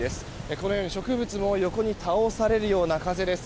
このように、植物も横に倒されるような風です。